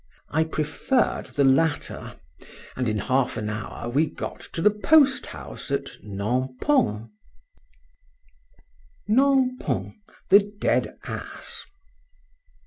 — I preferred the latter, and in half an hour we got to the post house at Nampont. NAMPONT. THE DEAD ASS.